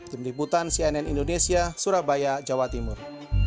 tim liputan cnn indonesia surabaya jawa timur